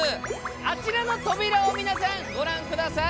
あちらの扉を皆さんご覧下さい。